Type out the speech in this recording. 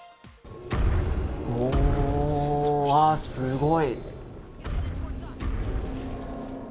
おー、わあすごい。